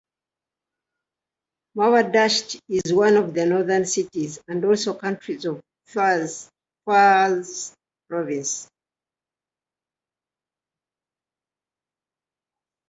Marvdasht is one of the northern cities and also counties of Fars province.